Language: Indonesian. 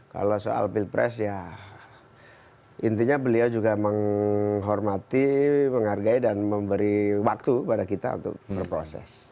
kalau soal pilpres ya intinya beliau juga menghormati menghargai dan memberi waktu pada kita untuk berproses